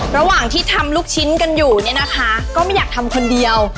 ระหว่างที่ทำลูกชิ้นกันอยู่เนี่ยนะคะก็ไม่อยากทำคนเดียว